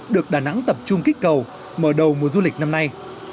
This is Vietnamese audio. được đà nẵng tập trung kích cầu mở đầu mùa du lịch năm nay